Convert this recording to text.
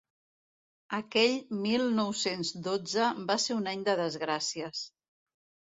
Aquell mil nou-cents dotze va ser un any de desgràcies.